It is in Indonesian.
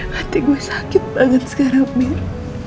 hati gue sakit banget sekarang mir